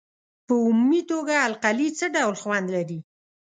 په عمومي توګه القلي څه ډول خوند لري؟